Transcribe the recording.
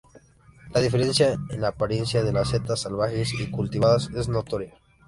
La diferencia en la apariencia de las setas salvajes y cultivadas es notoria.